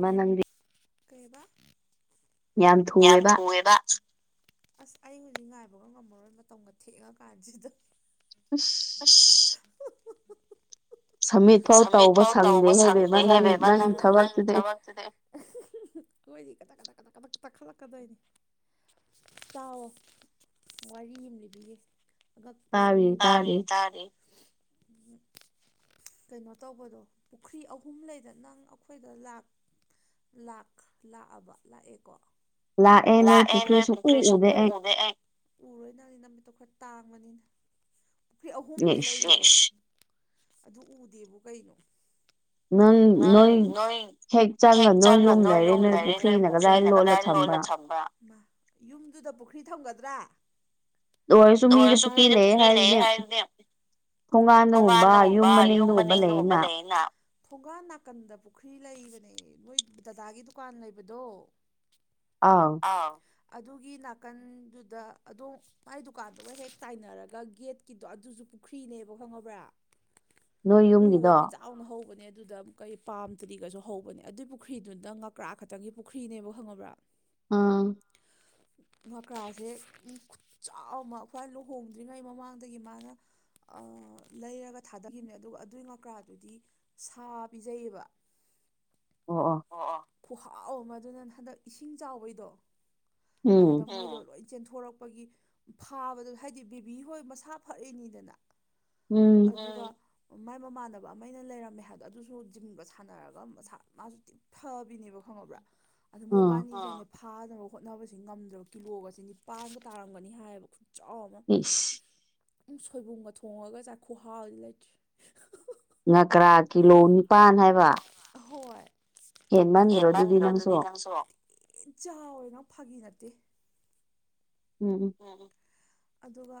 ꯃ ꯅꯪ ꯌꯥꯝ ꯊꯨꯑꯦꯕ ꯑꯁ ꯑꯩ ꯍꯧꯖꯤꯛ ꯉꯥꯏꯕꯒ ꯉꯝꯃꯔꯣꯏ ꯃꯇꯝꯒ ꯊꯦꯛꯑ ꯀꯥꯟꯁꯤꯗ ꯑ ꯑꯁ ꯁꯃꯤꯠ ꯐꯥꯎ ꯇꯧꯕ ꯁꯪꯗꯦ ꯍꯥꯏꯦꯕꯦꯝꯃ ꯅꯪ ꯅꯪ ꯊꯕꯛꯁꯤꯨꯗꯤ ꯍꯅꯤ ꯀꯗꯥ ꯀꯗꯥ ꯀꯗꯥ ꯀꯗꯥ ꯀ ꯈꯜꯂꯛꯀꯗ ꯑꯣꯏꯅꯤ ꯇꯑꯣ ꯋꯥꯔꯤ ꯑꯃ ꯂꯤꯕꯤꯌꯦꯦ ꯇꯥꯔ ꯇꯥꯔ ꯀꯩꯅꯣ ꯇꯧꯕꯗꯣ ꯄꯨꯈ꯭ꯔꯤ ꯑꯍꯨꯝ ꯂꯩꯗ ꯅꯪ ꯑꯩꯈꯣꯏꯗ ꯂꯥꯛ ꯂꯥꯛ ꯂꯥꯛꯑꯕ ꯂꯥꯛꯑꯦꯀꯣ ꯂꯥꯛꯑꯦ ꯅꯣꯏ ꯄꯨꯈ꯭ꯔꯤꯁꯨꯛ ꯎ ꯎꯗꯦ ꯑꯩ ꯎꯔꯣꯏ ꯅꯪꯅꯤ ꯅꯨꯃꯤꯠꯇꯣ ꯈꯔ ꯇꯥꯡꯕꯅꯤꯅ ꯄꯨꯈ꯭ꯔꯤ ꯑꯍꯨꯝꯅꯦ [unintelligible] ꯂꯩꯔꯤ ꯑꯗꯨ ꯎꯗꯦꯕ ꯀꯩꯅꯣ [unintelligible] ꯅꯣꯏ ꯌꯨꯝꯗ ꯂꯩꯔꯦ ꯅꯣꯏ ꯄꯨꯈ꯭ꯔꯤꯅ ꯀꯗꯥꯏ ꯂꯣꯜꯂ ꯊꯝꯕ ꯌꯨꯝꯗꯨꯗ ꯄꯨꯈ꯭ꯔꯤ ꯊꯝꯒꯗ꯭ꯔꯥ [unintelligible] ꯄꯨꯈ꯭ꯔꯤ ꯂꯩ [unintelligible] ꯊꯣꯡꯒꯥꯟꯗꯒꯨꯝꯕ ꯌꯨꯝ ꯃꯅꯤꯡꯗꯒꯨꯝꯕ ꯂꯩꯌꯦꯅ ꯊꯣꯡꯒꯥꯥꯟ ꯅꯥꯀꯟꯗ ꯄꯨꯈ꯭ꯔꯤ ꯂꯩꯕꯅꯦ ꯅꯣꯏ ꯗꯗꯥꯒꯤ ꯗꯨꯀꯥꯟ ꯂꯩꯕꯗꯣ ꯑꯥ ꯑꯗꯨꯒꯤ ꯅꯥꯀꯟꯗꯨꯗ ꯑꯗꯨꯝ ꯃꯥꯏ ꯗꯨꯀꯥꯟꯗꯨꯒ ꯍꯦꯛ ꯇꯥꯏꯅꯔꯒ ꯒꯦꯠꯀꯤꯗꯣ ꯑꯗꯨꯁꯨ ꯄꯨꯈ꯭ꯔꯤꯅꯦꯕ ꯈꯪꯉꯕ꯭ꯔꯥ ꯎꯒꯗꯤ ꯆꯥꯎꯅ ꯍꯧꯕꯅꯦ ꯑꯗꯨꯗ ꯀꯩ ꯄꯥꯝꯗ꯭ꯔꯤꯒꯁꯨ ꯍꯧꯕꯅꯦ ꯑꯗꯨꯏꯕꯨ ꯄꯨꯈ꯭ꯔꯤꯗꯨꯗ ꯉꯀ꯭ꯔꯥ ꯈꯛꯇꯪꯒꯤ ꯄꯨꯈ꯭ꯔꯤꯅꯦꯕ ꯈꯪꯉꯕ꯭ꯔꯥ [unintelligible] [unintelligible] ꯆꯥꯎꯅ ꯑꯩꯈꯣꯏ ꯂꯨꯍꯣꯡꯗ꯭ꯔꯤꯉꯩ ꯃꯃꯥꯡꯗꯒꯤ ꯃꯥꯅ ꯂꯩꯔꯒ ꯊꯥꯗꯈꯤꯕꯅꯦ ꯑꯗꯨꯒ ꯑꯗꯨꯒꯤ ꯉꯀ꯭ꯔꯥꯗꯨꯗꯤ ꯁꯥ ꯄꯤꯖꯩꯌꯦꯕ ꯑꯣ ꯑꯣ ꯑꯣ ꯈꯨꯍꯥꯎ ꯑꯃꯗꯨꯅ ꯍꯟꯗꯛ ꯏꯁꯤꯡ ꯆꯥꯎꯕꯩꯗꯣ ꯑꯗꯨꯗ ꯆꯦꯟꯊꯣꯔꯛꯄꯒꯤ ꯐꯥꯕꯗ ꯍꯥꯏꯗꯤ ꯕꯦꯕꯤ ꯍꯣꯏ ꯃꯁꯥ ꯐꯔꯦꯅꯤꯗꯅ [unintelligible] ꯃꯥꯏ ꯃꯃꯥꯟꯅꯕ ꯑꯃꯩꯅ ꯂꯩꯔꯝꯃꯦ ꯍꯥꯏꯕꯗꯣ ꯑꯗꯨꯁꯨ ꯖꯤꯝꯒ ꯁꯥꯟꯅꯔꯒ ꯃꯁꯥ ꯃꯥꯁꯨ ꯇꯤꯊꯕꯤꯅꯦꯕ ꯈꯪꯉꯕ꯭ꯔꯥ ꯑꯗꯨ ꯃꯣꯏꯕꯥꯅꯤ ꯐꯥꯅꯕ ꯍꯣꯠꯅꯕꯁꯤ ꯉꯝꯗ꯭ꯔꯕ ꯀꯤꯂꯣꯒꯁꯤ ꯅꯤꯄꯥꯟꯒ ꯇꯥꯔꯝꯒꯅꯤ ꯍꯥꯏꯌꯦꯕ ꯈꯨ ꯆꯥꯎꯅ ꯏꯁ ꯁꯣꯏꯕꯨꯝꯒ ꯊꯣꯡꯉꯒ ꯆꯥꯏꯈꯍꯥꯎꯗꯤ ꯂꯩꯈꯤ [unintelligible] ꯉꯀ꯭ꯔꯥ ꯀꯤꯂꯣ ꯅꯤꯄꯥꯟ ꯍꯥꯏꯕ ꯍꯣꯏ [unintelligible] ꯑꯗꯨꯗꯤ ꯅꯪꯁꯨꯣ ꯑꯦ ꯆꯥꯎꯥꯦꯅ ꯐꯥꯒꯤ ꯅꯠꯇꯦ ꯎꯝ ꯎꯝ [inaudible] ꯑꯗꯨꯒ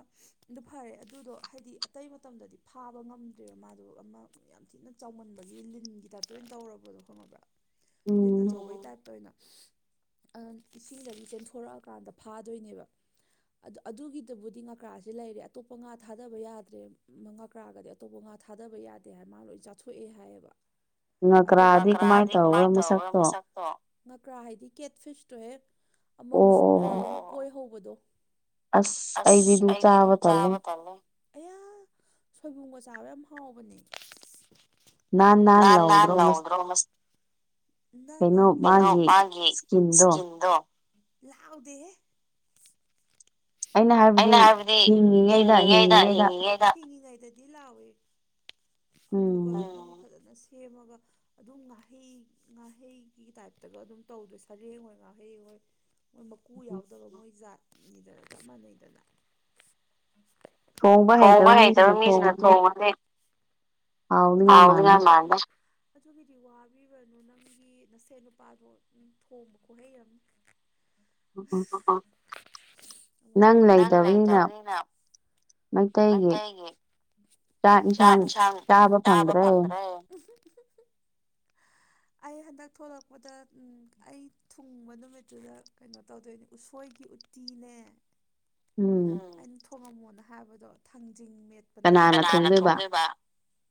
ꯑꯗꯨ ꯐꯔꯦ ꯑꯗꯨꯗꯣ ꯍꯥꯏꯗꯤ ꯑꯇꯩ ꯃꯇꯝꯗꯗꯤ ꯐꯥꯕ ꯉꯝꯗ꯭ꯔꯦꯕ ꯃꯥꯗꯣ ꯑꯃ ꯌꯥꯝ ꯊꯤꯅ ꯆꯥꯎꯃꯟꯕꯒꯤ ꯂꯤꯟꯒꯤ ꯇꯥꯏꯞꯇ ꯑꯗꯨꯝ ꯇꯧꯔꯕꯗꯣ ꯈꯪꯉꯕ꯭ꯔꯥ ꯂꯤ ꯑꯆꯧꯕꯒꯤ ꯇꯥꯏꯞꯇ ꯑꯣꯏꯅ ꯏꯁꯤꯡꯗꯒꯤ ꯆꯦꯟꯊꯣꯔꯛꯑꯀꯥꯟꯗ ꯐꯥꯗꯣꯏꯅꯦꯕ ꯑ ꯑꯗꯨꯒꯤꯗꯕꯨꯗꯤ ꯉꯀ꯭ꯔꯥꯁꯦ ꯂꯩꯔꯦ ꯑꯇꯣꯞꯄ ꯉꯥ ꯊꯥꯗꯕ ꯌꯥꯗ꯭ꯔꯦ ꯉꯥꯀ꯭ꯔꯥꯒꯗꯤ ꯑꯇꯧꯕ ꯉꯥ ꯊꯥꯗꯕ ꯌꯥꯗꯦ ꯍꯥꯏ ꯃꯥ ꯂꯣꯏ ꯆꯥꯊꯣꯛꯑꯦ ꯍꯥꯏꯌꯦꯕ ꯉꯥꯀꯔꯥ ꯗꯤ ꯀꯃꯥꯏ ꯇꯧꯔ ꯃꯁꯛꯇꯣ ꯉꯀ꯭ꯔꯥ ꯍꯥꯏꯗꯤ ꯀꯦꯠ ꯐꯤꯁꯇꯣ ꯍꯦꯛ ꯑꯃ ꯃꯨꯁꯨꯛ [unintelligible] ꯍꯧꯕꯗꯣ ꯑꯁ ꯑꯩꯗꯤꯗꯨ ꯆꯕ ꯇꯂꯦ ꯑꯌꯥ ꯁꯣꯏꯕꯨꯝꯒ ꯆꯥꯕ ꯌꯥꯝ ꯍꯥꯎꯕꯅꯦ ꯑ ꯅꯥꯟꯅꯥꯥꯟ ꯂꯑꯣꯗ꯭ꯔꯣ ꯃꯁ [unintelligible] ꯀꯩꯅꯣ ꯃꯥꯒꯤ ꯏꯁꯀꯤꯟꯗꯣ ꯂꯥꯑꯣꯗꯦꯍꯦ ꯑꯩꯅ ꯍꯥꯏꯕꯗꯤ ꯍꯤꯡꯉꯤꯉꯩꯗ ꯍꯤꯡꯉꯤꯉꯩ ꯊꯤꯡꯉꯤꯉꯩꯗꯗꯤ ꯂꯥꯎꯏ ꯑꯗꯨꯒ ꯐꯖꯅ ꯁꯦꯝꯃꯒ ꯑꯗꯨꯝ ꯉꯥꯍꯩ ꯉꯥꯍꯩꯒꯤ ꯇꯥꯏꯞꯇꯒ ꯑꯗꯨꯝ ꯇꯧꯗꯦ ꯁꯔꯦꯡ ꯍꯣꯏ ꯉꯥꯍꯩ ꯍꯣꯏ ꯃꯣꯏ ꯃꯀꯨ ꯌꯥꯎꯗꯕ ꯃꯣꯏ ꯖꯥꯠꯅꯤꯗ ꯆꯞ ꯃꯥꯟꯅꯩꯗꯅ ꯊꯣꯡꯕ ꯍꯩꯇꯕ ꯃꯤꯁꯤꯅ ꯊꯣꯡꯉꯗꯤ ꯑꯎꯅꯤ ꯃꯗ ꯑꯗꯨꯒꯤꯗꯤ ꯋꯥꯕꯤꯕꯅꯣ ꯅꯪꯒꯤ ꯅꯁꯦꯠ ꯅꯨꯄꯥꯗꯣ ꯊꯣꯡꯕ ꯈꯣꯍꯩꯔ [inaudible] ꯑꯣ ꯅꯪ ꯂꯩꯇꯕꯅꯤꯅ ꯃꯩꯇꯩꯒꯤ ꯇ ꯇꯥꯕꯄꯟ꯭ꯔꯦ ꯑꯩ ꯍꯟꯗꯛ ꯊꯂꯛꯄꯗ ꯑꯩ ꯊꯨꯡꯕ ꯅꯨꯃꯤꯠꯇꯨꯗ ꯀꯩꯅꯣ ꯇꯧꯗꯣꯏꯅꯤ ꯎꯁꯣꯏꯒꯤꯠ ꯏꯂ ꯎꯝ ꯊꯣꯡꯉꯝꯃꯣꯅ ꯍꯥꯏꯕꯗꯣ ꯊꯥꯡꯖꯤꯡ ꯃꯦꯠꯄꯅꯦ ꯀꯅꯥꯅ ꯊꯣꯡꯗꯕ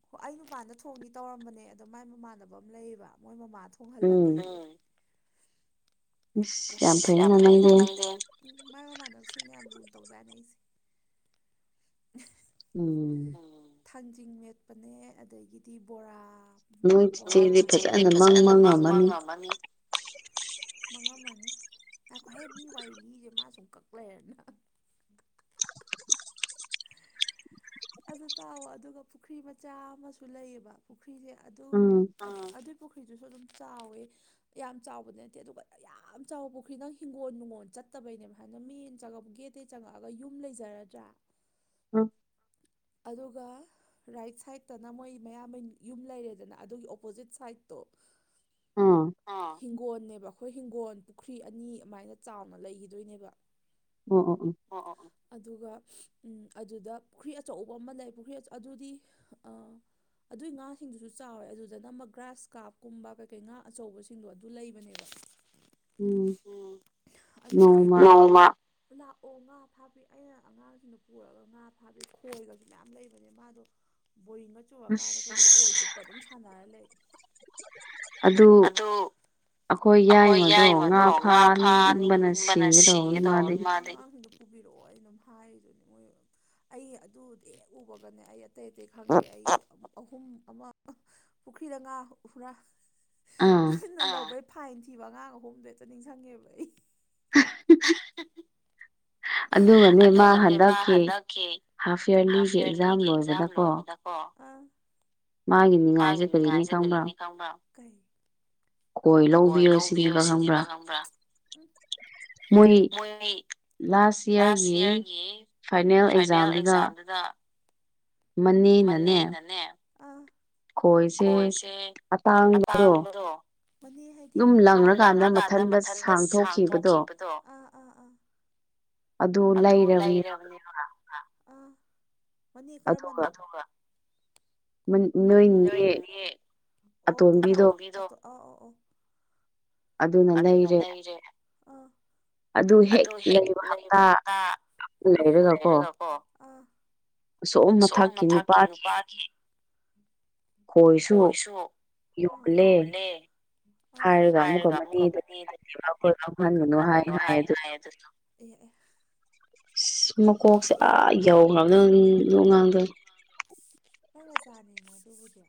ꯍꯣꯏ ꯑꯩ ꯅꯨꯄꯥꯟꯗ ꯊꯣꯡꯅꯤ ꯇꯧꯔꯝꯕꯅꯦ ꯑꯗꯣ ꯃꯥꯏ ꯃꯃꯥꯟꯅꯕ ꯑꯃ ꯂꯩꯌꯦꯕ ꯃꯣꯏ ꯃꯃꯥ ꯊ ꯎꯝ ꯌꯥꯝ ꯐꯩꯅ ꯅꯪꯗꯤ ꯎ ꯃꯥꯥꯏ ꯃꯃꯥꯟꯅꯕꯁꯨ ꯃꯌꯥꯝ ꯒꯨꯝ ꯇꯧꯖꯥꯠꯅꯤ ꯑꯩꯁꯦ ꯎꯝ ꯊꯥꯡꯖꯤꯡ ꯃꯦꯠꯄꯅꯦ ꯑꯗꯒꯤꯗꯤ ꯕꯣꯔꯥ ꯃꯣꯏ ꯆꯤꯆꯦꯗꯤ ꯐꯖꯅ ꯃꯪ ꯃꯪꯉꯝꯃꯅꯤ ꯃꯅꯤ ꯃꯃ ꯑꯃꯅꯤꯈꯍꯩ ꯃꯤ ꯋꯥꯏ ꯃꯤꯁꯦ ꯃꯥ ꯁꯨꯝ ꯀꯛ ꯂꯩꯔꯅ ꯑꯗꯨ ꯇꯥꯎꯑꯣ ꯑꯗꯨꯒ ꯄꯨꯈ꯭ꯔꯤ ꯃꯆꯥ ꯑꯃꯁꯨ ꯂꯩꯌꯦꯕ ꯄꯨꯈ꯭ꯔꯤꯁꯦ ꯎꯝ ꯑ ꯑꯗꯨꯏ ꯄꯨꯈ꯭ꯔꯤꯗꯨꯁꯨ ꯑꯗꯨꯝ ꯆꯥꯎꯋꯦ ꯌꯥꯝ ꯆꯥꯎꯕꯗꯤ ꯅꯠꯇꯦ ꯑꯗꯨꯒ ꯌꯥꯝ ꯆꯥꯎꯕ ꯄꯨꯈ꯭ꯔꯤ ꯅꯪ ꯍꯤꯡꯒꯣꯜ ꯅꯨꯡꯒꯣꯜ ꯆꯠꯇꯕꯩꯅꯦꯕ ꯍꯥꯏꯅ ꯃꯦꯟ ꯆꯥꯒꯄꯒꯤ ꯆꯪꯉꯛꯑꯒ ꯌꯨꯝ ꯂꯩꯖꯔꯗ꯭ꯔꯥ ꯑꯗꯨꯒ ꯔꯥꯏꯠ ꯁꯥꯏꯠꯇꯅ ꯃꯣꯏ ꯃꯌꯥꯝꯕꯩ ꯌꯨꯝ ꯂꯩꯔꯦꯗꯅ ꯑꯗꯨꯒꯤ ꯑꯣꯄꯣꯖꯤꯠ ꯁꯥꯏꯗꯠꯇꯣ [inaudible] ꯍꯤꯡꯒꯣꯜꯅꯦꯕ ꯑꯩꯈꯣꯏ ꯍꯤꯡꯒꯣꯜ ꯄꯨꯈ꯭ꯔꯤ ꯑꯅꯤ ꯑꯗꯨꯃꯥꯏꯅ ꯆꯥꯎꯅ ꯂꯩꯈꯤꯗꯣꯏꯅꯦꯕ ꯎꯝ ꯑꯣ ꯑꯣꯝ ꯑꯣ ꯑꯣ ꯑꯗꯨꯒ ꯎꯝ ꯑꯗꯨꯗ ꯄꯨꯈ꯭ꯔꯤ ꯑꯆꯧꯕ ꯑꯃ ꯂꯩ ꯄꯨꯈ꯭ꯔꯤ ꯑꯗꯨꯗꯤ ꯑꯗꯨꯏ ꯉꯥꯁꯤꯡꯗꯨꯁꯨ ꯆꯥꯎꯋꯦ ꯑꯗꯨꯗ ꯅ ꯑꯃ ꯒ꯭ꯔꯥꯁ ꯀꯥꯞꯀꯨꯝꯕ ꯀꯩꯀꯩ ꯉꯥ ꯑꯆꯧꯕꯁꯤꯡꯗꯣ ꯑꯗꯨ ꯂꯩꯕꯅꯦꯕ ꯑꯗꯨꯒꯥ ꯅꯣꯡꯃ ꯂꯥꯛꯑꯣ ꯉꯥ ꯐꯥꯕꯤ ꯑꯩꯅ ꯑꯉꯥꯡꯁꯤꯡꯅ ꯄꯨꯔꯒ ꯉꯥ ꯐꯥꯕꯤ ꯈꯣꯏꯒꯁꯨ ꯃꯌꯥꯝ ꯂꯩꯕꯅꯦ ꯃꯥꯗꯣ ꯕꯣꯔꯤꯡꯒ ꯆꯨꯔꯀꯥꯟꯗ ꯑꯁ ꯑꯩꯈꯣꯏꯒꯤ ꯈꯣꯏ ꯆꯨꯞꯄ ꯑꯗꯨꯝ ꯁꯥꯟꯅꯔ ꯂꯩ ꯑꯗꯨ ꯑꯩꯈꯣꯏ ꯌꯥꯏꯃꯗꯣ ꯉꯥ ꯐꯥꯅꯤꯡꯕꯅ ꯁꯤꯒꯦꯇꯧꯕ ꯃꯥꯗꯤ ꯄꯨꯕꯤꯔꯑꯣ ꯍꯥꯏꯗꯨꯅ ꯃꯣꯏ ꯑꯣꯏꯅꯥ ꯑꯩ ꯑꯗꯨꯗꯤ ꯎꯕꯒꯅꯦ ꯑꯩ ꯑꯇꯩ ꯑꯇꯩ ꯈꯪꯗꯦ ꯑꯩ ꯑꯍꯨꯝ ꯑꯃ ꯄꯨꯈ꯭ꯔꯤꯗ ꯉꯥ ꯎ ꯐꯥꯏꯟ ꯊꯤꯕ ꯑꯉꯥꯡ ꯑꯍꯨꯝꯗꯣ ꯍꯦꯛꯇ ꯅꯤꯡꯁꯤꯡꯉꯦꯕ ꯑꯩ ꯑꯗꯨꯒꯅꯦ ꯃꯥ ꯍꯟꯗꯛꯀꯤ ꯍꯥꯐ ꯏꯌꯥꯔꯂꯤꯒꯤ ꯑꯦꯛꯖꯥꯝ ꯂꯣꯏꯕꯗꯀꯣ ꯑꯣ ꯎ ꯃꯥꯒꯤ ꯅꯤꯡꯉꯥꯏꯁꯦ ꯀꯔꯤꯅꯤ ꯈꯪꯕ꯭ꯔꯥ ꯊꯥꯎꯕ ꯀꯩ ꯈꯣꯏ ꯂꯧꯗꯤ ꯂꯣꯢꯁꯤꯜꯂꯦꯕ ꯈꯪꯕ꯭ꯔꯥ ꯃꯣꯏ ꯂꯥꯁ ꯏꯌꯥꯔꯒꯤ ꯐꯥꯏꯅꯦꯜ ꯑꯦꯛꯖꯥꯝꯗꯨꯗ ꯃꯅꯦꯅꯥꯅꯦ ꯑꯥ ꯈꯣꯏꯁꯦ ꯑꯇꯥꯡꯕꯗꯣ ꯃꯅꯦ ꯍꯥꯏꯗꯤ ꯑꯗꯨꯝ ꯂꯪꯉꯀꯥꯟꯗ ꯃꯊꯟꯗ ꯁꯥꯡꯊꯣꯛꯈꯤꯕꯗꯣ ꯑꯥ ꯑꯥ ꯑꯥ ꯑꯗꯨ ꯂꯩꯔꯕꯅꯦꯕ ꯑꯥ ꯃꯅꯦ ꯀꯔꯝꯕꯅꯣ ꯑꯊꯨꯝꯕꯥ ꯅꯣꯏꯅꯦ ꯑꯣ ꯀꯥꯀꯥ ꯑꯇꯣꯝꯕꯤꯗꯣ ꯑꯥ ꯑꯣ ꯑꯣ ꯑꯗꯨꯅ ꯂꯩꯔꯦ ꯑꯥ ꯑꯗꯨ ꯍꯦꯛ ꯂꯩꯕ ꯍꯞꯇꯥ ꯑꯃ ꯂꯩꯔꯒꯀꯣ ꯑꯥ ꯎꯁꯣꯝ ꯃꯊꯛꯀꯤ ꯅꯨꯄꯥꯒꯤ ꯈꯣꯏꯁꯨ ꯌꯣꯜꯂꯦ ꯍꯥꯏꯔꯒ ꯑꯃꯨꯛꯀ ꯃꯅꯦꯗ ꯄꯤꯍꯜꯂꯒ ꯑꯩꯈꯣꯏ ꯈꯪꯍꯟꯒꯅꯨ ꯍꯥꯏ ꯍꯥꯏ ꯑꯗꯨꯁꯨ ꯑꯦ ꯑꯦ ꯏꯁ ꯃꯀꯣꯛꯁꯦ ꯑꯥ ꯌꯧꯈ꯭ꯔꯕꯅꯦ [unintelligible] ꯅꯪ ꯅꯆꯥꯅꯤꯅ ꯑꯗꯨꯕꯨꯗꯤ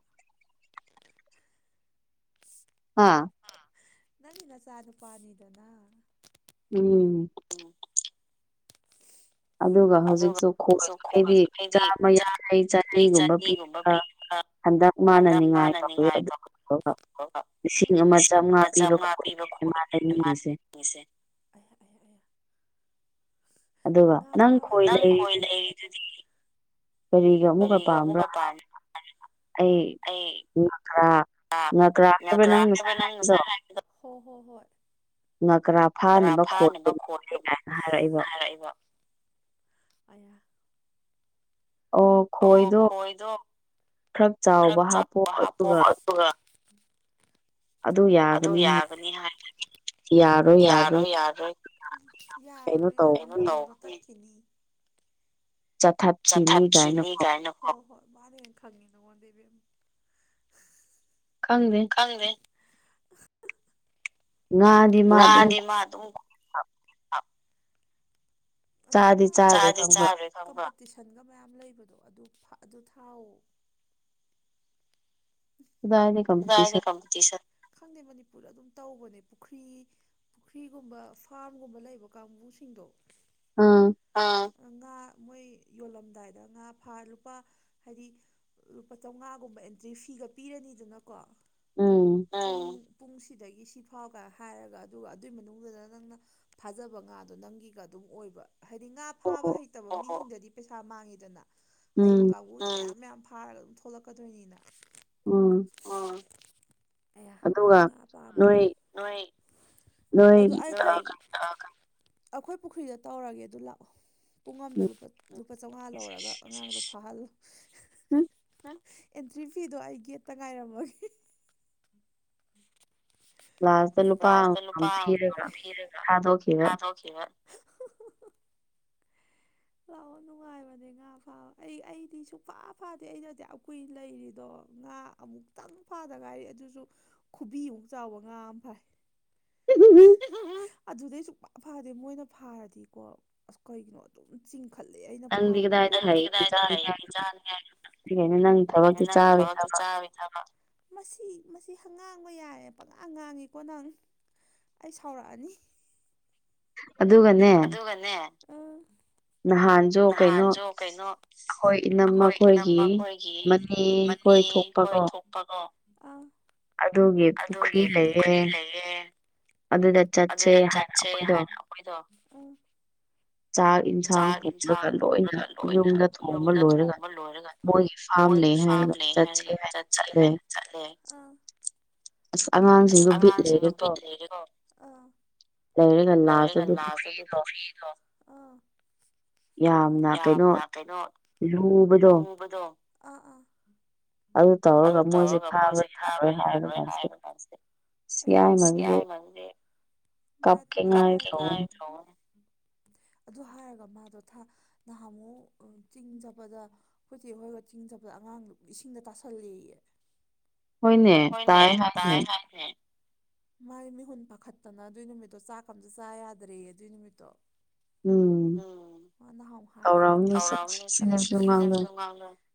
ꯍꯥ ꯅꯪꯒꯤ ꯅꯆꯥꯅꯨꯄꯥꯅꯤꯗꯅ ꯎꯝ ꯑꯗꯨꯒ ꯍꯧꯖꯤꯛꯁꯨ ꯈꯣꯏꯁꯨ ꯍꯥꯏꯗꯤ ꯆꯥꯝꯃ ꯌꯥꯡꯈꯩ ꯆꯅꯤꯒꯨꯝꯕ ꯄꯤꯔꯒ ꯍꯟꯗꯛ ꯃꯥꯅ ꯅꯤꯡꯉꯥꯏ ꯇꯧꯋꯤ ꯑꯗꯨ ꯑꯗꯨꯒ ꯂꯤꯁꯤꯡ ꯑꯃ ꯆꯥꯝꯉꯥ ꯄꯤꯕ [unintelligible] ꯃꯥ ꯂꯩꯅꯤꯡꯉꯤꯁꯦ ꯉꯁꯦ ꯑꯗꯨꯒ ꯅꯪ ꯈꯣꯏ ꯂꯩꯔꯤꯗꯨꯗꯤ ꯗꯨꯗꯤ ꯀꯔꯤꯒ ꯑꯃꯨꯛꯀ ꯄꯥꯝꯕ꯭ꯔꯥ ꯍꯥꯏꯔꯒ ꯑꯩ ꯉꯥꯀꯔꯥ ꯉꯀ꯭ꯔꯥ ꯍꯥꯏꯕꯔ ꯅꯪꯉꯁꯥꯏ ꯍꯥꯏꯕꯗꯣ ꯉꯀ꯭ꯔꯥ ꯇꯔꯥ ꯐꯥꯅꯕ ꯈꯣꯏꯗꯣ ꯍꯥꯏꯔꯛꯑꯦꯕ ꯑꯣ ꯈꯣꯏꯗꯣ ꯈꯔ ꯆꯥꯎꯕ ꯍꯥꯞꯄꯣ ꯑꯗꯨꯒ ꯑꯗꯨ ꯌꯥꯒꯅꯤ ꯍꯥꯏ [unintelligible] ꯌꯥꯔꯣꯢ ꯌꯥꯔꯣꯢ [unintelligible] ꯀꯩꯅꯣ ꯆꯊꯠꯈꯤꯅꯤ ꯀꯥꯏꯅꯣ ꯑꯣ ꯍꯣꯏ ꯃꯥꯟꯅ ꯎꯦꯟꯅ ꯈꯪꯉꯤ ꯅꯉꯣꯟꯗꯩꯩ ꯕꯦꯝ ꯈꯪꯗꯦ ꯈꯪꯗꯦ [unintelligible] ꯉꯗꯤ ꯃꯥ ꯑꯗꯨꯝ ꯑꯗꯨꯝ ꯉꯥ ꯆꯥꯗꯤ ꯆꯥꯒ꯭ꯔꯦ ꯈꯪꯕ꯭ꯔꯥ ꯇꯨꯢꯁꯟꯒ ꯃꯌꯥꯝ ꯂꯩꯕꯗꯣ ꯑꯗꯨ ꯑꯗꯨ ꯊꯥꯎꯑꯣ꯫ [unintelligible] ꯈꯪꯗꯦ ꯃꯅꯤꯄꯨꯔꯗ ꯑꯗꯨꯝ ꯇꯧꯕꯅꯦ ꯄꯨꯈ꯭ꯔꯤ ꯄꯨꯈ꯭ꯔꯤꯒꯨꯝꯕ ꯐꯥꯔꯝꯒꯨꯝꯕ ꯂꯩꯕ ꯀꯥꯡꯕꯨꯁꯤꯡꯗꯣ ꯑ ꯉꯥ ꯃꯣꯏ ꯌꯣꯜꯂꯝꯗꯥꯏꯗ ꯉꯥ ꯐꯥ ꯂꯨꯄꯥ ꯍꯥꯏꯗꯤ ꯂꯨꯄꯥ ꯆꯥꯎꯉꯥꯒꯨꯝꯕ ꯑꯦꯟꯇ꯭ꯔꯤ ꯐꯤ ꯐꯤꯒ ꯄꯤꯔꯅꯤꯗꯨꯅꯀꯣ ꯑ ꯄꯨꯡ ꯁꯤꯗꯒꯤ ꯁꯤ ꯐꯥꯎꯀ ꯍꯥꯏꯔꯒ ꯑꯗꯨꯒ ꯑꯗꯨꯏ ꯃꯅꯨꯡꯗꯨꯗ ꯅꯪꯅ ꯐꯥꯖꯕ ꯉꯥꯗꯣ ꯅꯪꯒꯤꯒ ꯑꯗꯨꯝ ꯑꯣꯏꯕ ꯍꯥꯏꯗꯤ ꯉꯥ ꯐꯥꯕ ꯍꯩꯇꯕ ꯃꯤꯁꯤꯡꯗꯗꯤ ꯄꯩꯁꯥ ꯃꯥꯡꯉꯤꯗꯅ ꯍꯩꯕ ꯀꯥꯡꯕꯨ ꯁꯨ ꯃꯌꯥꯝ ꯐꯥꯔꯒ ꯊꯂꯛꯀꯗꯣꯏꯅꯤꯅ꯫ ꯎꯝ ꯎꯝ ꯑꯌꯥꯃ ꯉꯥ ꯄꯥꯝꯃꯗꯤ ꯅꯣꯏ ꯑꯗꯣ [unintelligible] ꯑꯩꯈꯣꯏ ꯄꯨꯈ꯭ꯔꯤꯗ ꯇꯧꯔꯒꯦ ꯑꯗꯨ ꯂꯥꯛꯑꯣ ꯄꯨꯡ ꯑꯃꯗ ꯂꯨꯄꯥ ꯂꯨꯄꯥ ꯆꯧꯉꯥ ꯂꯧꯔꯒ ꯑꯉꯥꯡꯗꯣ ꯐꯍꯜꯂꯣ꯫ [unintelligible] ꯑꯦꯟꯇ꯭ꯔꯤ ꯐꯤꯗꯣ ꯑꯩ ꯒꯦꯠꯇ ꯉꯥꯏꯔꯝꯃꯒꯦ꯫ ꯂꯥꯁꯇ ꯂꯨꯄꯥ ꯑꯃꯝ ꯄꯤꯔꯒ ꯊꯥꯗꯣꯛꯈꯤꯕ꯫ [unintelligible] ꯂꯥꯛꯑꯣ ꯅꯨꯡꯉꯥꯏꯕꯅꯦ ꯉꯥ ꯉꯥ ꯐꯥꯕ ꯑꯩ ꯑꯩꯗꯤ ꯁꯨꯡꯛꯐꯥ ꯐꯥꯗꯦ ꯑꯩꯅꯗꯤ ꯑꯗꯨꯖꯥꯝ ꯀꯨꯏꯅ ꯂꯩꯔꯤꯗꯣ ꯉꯥ ꯑꯃꯨꯛ ꯈꯤꯇꯪ ꯐꯥꯗ ꯉꯥꯏꯔꯤ ꯑꯗꯨꯁꯨ ꯈꯨꯕꯤꯃꯨꯛ ꯆꯥꯎꯕ ꯉꯥ ꯑꯃ ꯐꯥꯏ꯫ [unintelligible] ꯑꯗꯨꯗꯩ ꯁꯨꯡꯐꯥ ꯐꯗꯦ ꯃꯣꯏꯅ ꯐꯥꯔꯗꯤꯀꯣ ꯑꯁ ꯀꯩꯒꯤꯅꯣ ꯅꯪꯗꯤ [unintelligible] ꯅꯪ ꯊꯕꯛꯇꯨ ꯆꯥꯕꯩ ꯊꯕꯛ ꯃꯁꯤ ꯃꯁꯤ ꯉꯥꯡꯕ ꯌꯥꯔꯦꯅ ꯄꯪꯉꯥꯡ ꯉꯥꯡꯉꯤ ꯀꯣ ꯅꯪ꯫ ꯑꯩ ꯁꯥꯎꯔꯛꯑꯅꯤ꯫ ꯑꯗꯨꯒꯅꯦ ꯑꯗꯨꯒꯅꯦ ꯑ ꯍ ꯀꯩꯅꯣ ꯑꯩꯈꯣꯏ ꯏꯅꯝ ꯃꯈꯣꯏꯒꯤ ꯃꯅꯦ ꯈꯣꯏ ꯊꯣꯛꯄ ꯀꯣ ꯣ ꯑ ꯑꯗꯨꯒꯤ ꯄꯨꯈ꯭ꯔꯤ ꯂꯩꯌꯦ ꯑꯗꯨꯗ ꯑꯗꯨꯗ ꯆꯠꯁꯦ ꯍꯥꯏꯔ ꯑꯩꯣꯏꯗꯣ ꯎ ꯆꯥ ꯏ ꯌꯦꯟꯁꯥꯡ ꯄꯨꯣꯡꯔꯒ ꯂꯣꯏꯅ ꯌꯨꯝꯗ ꯊꯣꯡꯕ ꯂꯣꯏꯔꯒ ꯃꯣꯏꯒꯤ ꯐꯥꯝꯅꯦ ꯍꯥꯏꯒ ꯆꯠꯁꯦ ꯍꯥꯏꯅ ꯆꯠꯂꯦ꯫ ꯆꯠꯂꯦ ꯑ ꯑꯁ ꯑꯉꯥꯡ ꯑꯁ ꯑꯉꯥꯡꯁꯤꯡꯗꯣ ꯕꯤꯠ ꯂꯩꯔꯦꯀꯣ ꯑ ꯂꯩꯔꯒ ꯂꯥꯁꯇ ꯑꯗꯨ ꯄꯨꯈ꯭ꯔꯤꯗꯣ ꯑ ꯌꯥꯝꯅ ꯀꯩꯅꯣ ꯂꯨꯕꯗꯣ꯫ ꯕꯗꯣ ꯑꯥ ꯑꯥ ꯑꯗꯨ ꯇꯧꯔꯒ ꯃꯣꯏꯁꯦ ꯊꯥꯕ ꯌꯥꯔꯣꯏ ꯍꯥꯏꯕ ꯀꯁꯦ ꯌꯥꯏꯦ ꯀꯀꯤ ꯊ ꯑꯗꯨ ꯍꯥꯏꯔꯒ ꯃꯥꯗꯣ ꯊ ꯅꯍꯥꯟ ꯑꯃꯨꯛ ꯆꯤꯡ ꯆꯠꯕꯗ ꯑꯩꯈꯣꯏ ꯆ‍ꯦ ꯍ‌ꯣꯏꯒ ꯆꯤꯡꯆꯠꯄꯗ ꯑꯉꯥꯡꯗꯨ ꯏꯁꯤꯡꯗ ꯇꯥꯁꯜꯂꯌꯦ ꯍꯣꯏꯅꯦ ꯇꯥꯏ ꯍꯥꯏꯅꯦ ꯃꯥꯥꯏ ꯃꯤꯍꯨꯟ ꯄꯥꯈꯠꯇꯅ ꯑꯗꯨꯏ ꯅꯨꯃꯤꯠꯇꯣ ꯆꯥꯛꯀ ꯑꯝꯇ ꯆꯥ ꯌꯥꯗ꯭ꯔꯦ ꯑꯗꯨꯏ ꯅꯨꯃꯤꯠꯇꯣ ꯎꯝ ꯍ ꯍꯥꯏꯔ ꯁꯅ [unintelligible]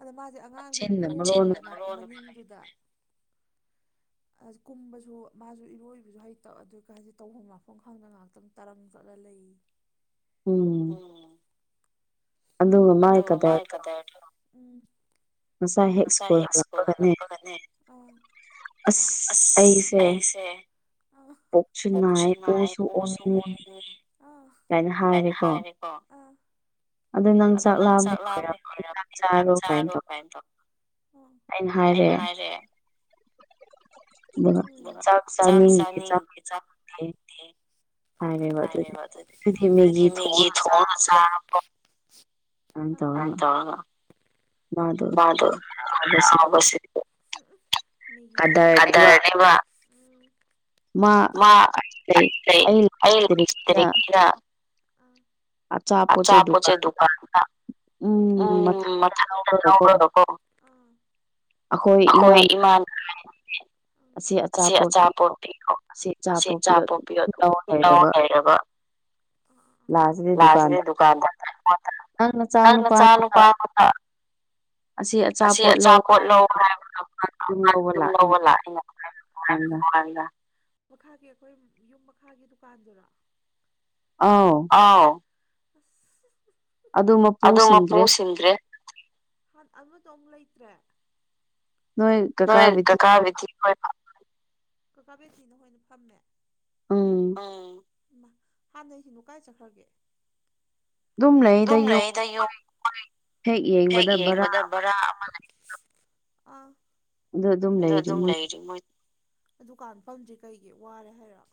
ꯑꯗ ꯃꯥꯁꯦ ꯑꯉꯥꯡꯁꯨ ꯄꯣꯔꯤꯗꯅꯥꯗꯨꯗ [inaudible] ꯀꯨꯝꯕꯁꯨ ꯃꯥꯁꯨ ꯏꯔꯣꯏꯕꯁꯨ ꯍꯩꯇꯕ ꯑꯗꯨꯒꯖꯤ ꯇꯧꯐꯝ ꯃꯐꯝ ꯈꯪꯗꯅ ꯉꯥꯏꯍꯥꯛꯇꯪ ꯇꯔꯪ ꯆꯠꯂ ꯂꯩ ꯎꯝ ꯎꯝ ꯑꯗꯨꯒ ꯃꯥꯏ ꯀꯗꯥꯏꯗꯣ ꯉꯁꯥꯏ ꯍꯦꯛ ꯁ꯭ꯀꯨꯜ ꯍꯜꯂꯛꯄꯒꯅꯦ ꯎ ꯑꯁ ꯑꯩꯁꯦ ꯎ ꯄꯣꯛꯆ ꯃꯥꯏ ꯄꯣꯁꯨ ꯑꯣ ꯀꯥꯏꯅ ꯍꯥꯏꯔꯦꯀꯣ ꯑꯗ ꯅꯪ ꯆꯥꯛꯂꯥꯛꯑꯃꯦ ꯈꯣꯏꯔꯝ ꯍꯈꯤꯇꯥꯛ ꯆꯥꯔꯣ ꯀꯥꯏꯅ ꯇꯧ ꯑꯩꯅ ꯍꯥꯏꯔꯦ ꯆꯥꯛꯥꯛꯁꯅꯤ ꯆꯥꯛ ꯃꯤꯒꯤ ꯊ ꯍꯅ ꯆ [unintelligible] ꯑ ꯇꯑꯒ [inaudible] ꯍ ꯑꯗꯨꯁꯦꯗꯅꯤꯕ [unintelligible] ꯃꯥꯔꯤꯅ [unintelligible] ꯑꯆꯥ ꯄ‌ꯣꯠꯁ‌ꯦ ꯗꯨꯀꯥꯟꯗ ꯎꯝ ꯃꯊꯥ ꯂꯧꯔꯒꯀꯣ ꯑꯩꯈꯣꯏ ꯏꯃꯥꯟꯅ ꯑꯁꯤ [inaudible] ꯑꯆꯥꯄꯣꯠ ꯄꯤꯌꯣ ꯑꯁꯤ ꯑꯆꯥꯄꯣꯛꯄꯤ ꯑꯗꯨꯝ ꯂꯧ ꯂꯩꯔꯕ ꯂꯥꯥꯁꯗꯤ ꯗꯨꯀꯥꯟꯗ [inaudible] ꯑꯩ ꯅꯆꯥ ꯅꯨꯄꯥ ꯑꯃ ꯑꯁꯤ ꯑꯆꯥꯄꯣꯠ ꯂꯧ ꯍꯥꯏꯕ ꯑꯗꯨꯝ [unintelligible] ꯂꯧꯕ ꯂꯥꯛꯏꯅ ꯐꯪ [inaudible] ꯃꯈꯥꯒꯤ ꯑꯩꯈꯣꯏ ꯌꯨꯝ ꯃꯈꯥꯒꯤ ꯗꯨꯀꯥꯟꯗꯨꯔ ꯑꯥꯎ ꯑꯥꯎ ꯑꯗꯨ ꯃꯄꯨ ꯁꯤꯟꯗ꯭ꯔꯦ ꯑꯃꯗꯨ ꯑꯃꯨꯛ ꯂꯩꯇ꯭ꯔ‌ꯦ ꯅꯣꯏ ꯀꯀꯥ ꯕꯦꯊꯤꯀꯥ [inaudible] ꯑꯝ ꯍꯥꯟꯅꯩꯁꯤꯡꯗꯨ ꯀꯥꯏ ꯆꯠꯈ꯭ꯔꯒꯦ ꯑꯗꯨꯝ ꯂꯩꯌ‌ꯦꯗ ꯌꯨꯝ ꯍꯦꯛ ꯌꯦꯡꯕꯗ ꯕꯔꯥ ꯑꯃ ꯂꯩ ꯑꯥ ꯑꯗꯨ ꯑꯗꯨꯝ ꯂꯩꯔꯤ ꯃꯣꯏ ꯣꯏ [unintelligible] ꯗꯨꯀꯥꯟ ꯐꯝꯗ꯭ꯔꯤ ꯀꯩꯒꯤ ꯋꯥꯔꯦ ꯍꯥꯏꯔ‍ꯣ